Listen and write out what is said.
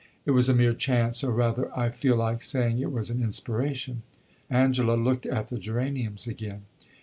It was a mere chance; or rather, I feel like saying it was an inspiration." Angela looked at the geraniums again.